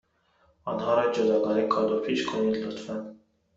آنها را جداگانه کادو پیچ کنید، لطفا.